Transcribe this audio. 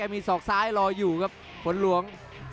มีศอกซ้ายรออยู่ครับฝนหลวง